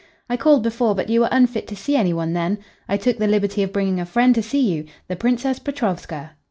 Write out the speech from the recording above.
"I called before, but you were unfit to see any one then. I took the liberty of bringing a friend to see you the Princess Petrovska."